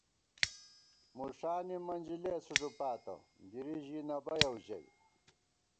مُݭانی منجلېس ݫُپاتہ ، گِری ژی نہ بَیَؤ ژَئی